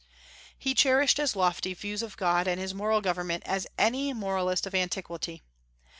He cherished as lofty views of God and his moral government as any moralist of antiquity.